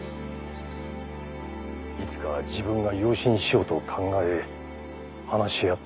いつか自分が養子にしようと考え話し合って養護施設に。